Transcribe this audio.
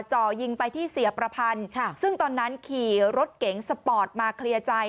จ่อยิงไปที่เสียประพันธ์ซึ่งตอนนั้นขี่รถเก๋งสปอร์ตมาเคลียร์ใจ